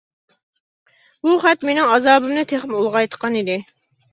بۇ خەت مىنىڭ ئازابىمنى تېخىمۇ ئۇلغايتقان ئىدى.